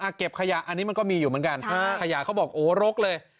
เก็บขยะอันนี้มันก็มีอยู่เหมือนกันฮะขยะเขาบอกโอ้รกเลย